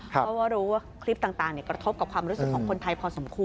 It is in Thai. เพราะว่ารู้ว่าคลิปต่างกระทบกับความรู้สึกของคนไทยพอสมควร